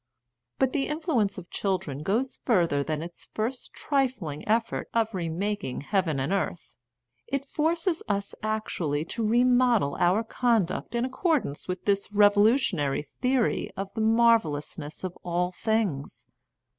But the influence of children goes further than its first trifling effort of remaking heaven and earth. It forces us actually to remodel our conduct in accordance with this revolutionary theory of the marvellous ness of all things.